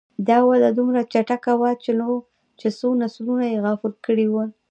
دا وده دومره چټکه وه چې څو نسلونه یې غافل کړي وو.